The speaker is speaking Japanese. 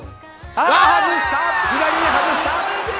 左に外した！